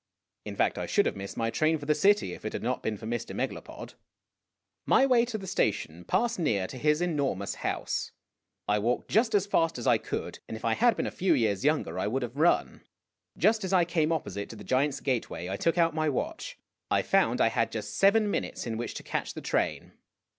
In fact, I should have missed my train for the city if it had not been for Mr. Megalopod. My way to the station passed near to his enormous house. I walked just as fast as I could, and if I had been a few years younger I would have run. Just as I came opposite to the giant's gateway I took out my watch ; I found I had just seven minutes in which 192 IMAGINOTIONS to catch the train.